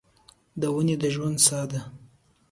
ونې د ژوند ساه ده.